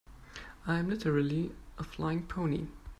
I'm literally a flying pony.